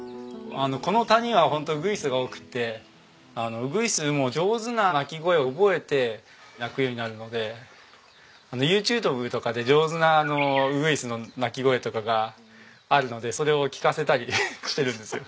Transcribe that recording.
この谷は本当ウグイスが多くてウグイスも上手な鳴き声を覚えて鳴くようになるのでＹｏｕＴｕｂｅとかで上手なウグイスの鳴き声とかがあるのでそれを聞かせたりしてるんですよ。